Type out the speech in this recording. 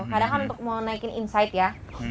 kadang untuk mau naikin insight ya